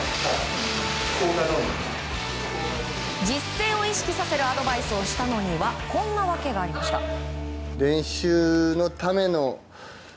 実戦を意識させるアドバイスをしたのにはこんな訳がありました。